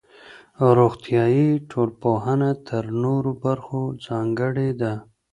روغتيائي ټولنپوهنه تر نورو برخو ځانګړې ده.